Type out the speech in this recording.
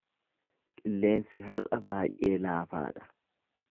Qilleensi har’a baay’ee laafaa dha.